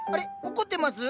怒ってます？